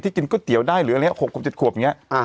ที่กินก๋วยเตี๋ยวได้หรือ๖๗ขวบอย่างนี้